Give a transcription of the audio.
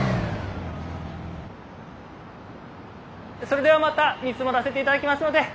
それではまた見積もらせていただきますので。